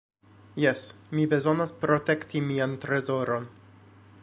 "Jes, mi bezonas protekti mian trezoron."